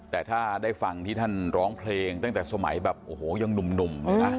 แต่ถ้าได้ฟังที่ท่านร้องเพลงตั้งแต่สมัยแบบโอ้โหยังหนุ่มเลยนะ